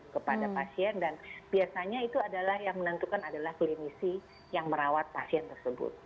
kepada pasien dan biasanya itu adalah yang menentukan adalah klinisi yang merawat pasien tersebut